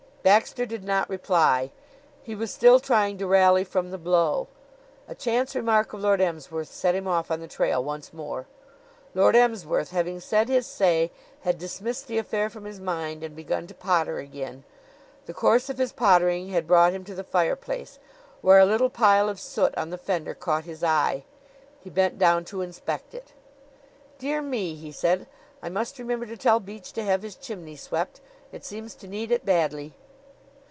Baxter did not reply. He was still trying to rally from the blow. A chance remark of Lord Emsworth's set him off on the trail once more. Lord Emsworth, having said his say, had dismissed the affair from his mind and begun to potter again. The course of his pottering had brought him to the fireplace, where a little pile of soot on the fender caught his eye. He bent down to inspect it. "Dear me!" he said. "I must remember to tell Beach to have his chimney swept. It seems to need it badly."